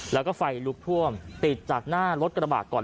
แล้วก็ไฟลุกท่วมติดจากหน้ารถกระบะก่อน